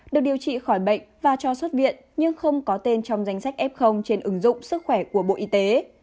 được điều trị khỏi bệnh và cho xuất viện nhưng không có tên trong danh sách f trên ứng dụng sức khỏe của bộ y tế